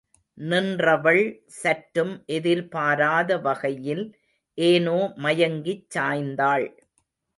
நின்றவள், சற்றும் எதிர்பாராத வகையில் ஏனோ மயங்கிச் சாய்ந்தாள்.